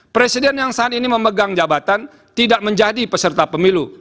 presiden yang saat ini memegang jabatan tidak menjadi peserta pemilu